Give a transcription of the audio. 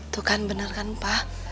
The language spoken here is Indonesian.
tuh kan bener kan pa